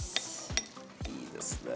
いいですね。